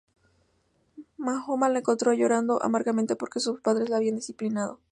Mahoma la encontró "llorando amargamente" porque sus padres la habían disciplinado.